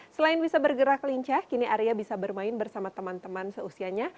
selain bisa bergerak lincah kini arya bisa bermain bersama teman teman seusianya